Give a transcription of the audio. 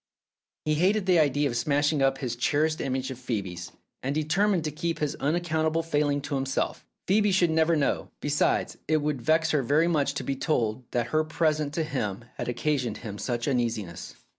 He hated the idea 298 Philip's Safety Razor of smashing up this cherished image of Phcebe's, and determined to keep his unaccountable failing to himself. Phoebe should never know. Be sides, it would vex her very much to be told that her present to him had occasioned him such uneasiness.